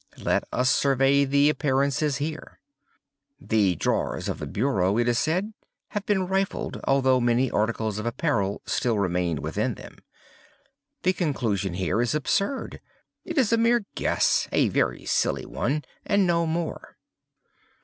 Let us survey the appearances here. The drawers of the bureau, it is said, had been rifled, although many articles of apparel still remained within them. The conclusion here is absurd. It is a mere guess—a very silly one—and no more.